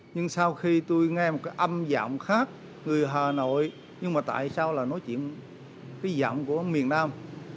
nhưng sau khi tôi nghe một cái âm dạng khác người hà nội nhưng mà tại sao là nói chuyện cái dạng của miền nam